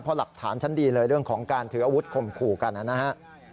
เพราะหลักฐานชั้นดีเลยเรื่องของการถืออาวุธข่มขู่กันนะครับ